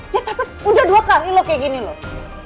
ya tapi udah dua kali loh kayak gini loh